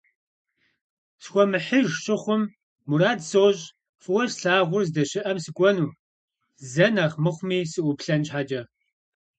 Схуэмыхьыж щыхъум, мурад сощӀ фӀыуэ слъагъур здэщыӀэм сыкӀуэну, зэ нэхъ мыхъуми сыӀуплъэн щхьэкӀэ.